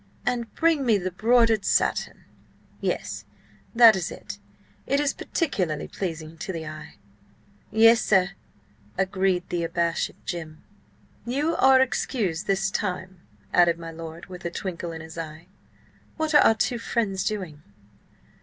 "And bring me the broidered satin. Yes, that is it. It is particularly pleasing to the eye." "Yes, sir," agreed the abashed Jim. "You are excused this time," added my lord, with a twinkle in his eye. "What are our two friends doing?"